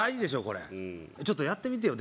これちょっとやってみてよ